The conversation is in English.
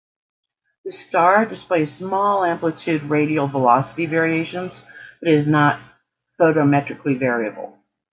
The star displays small amplitude radial velocity variations, but is not photometrically variable.